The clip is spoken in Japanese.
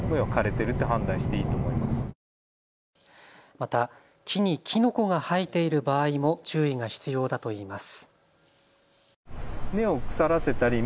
また木にきのこが生えている場合も注意が必要だといいます。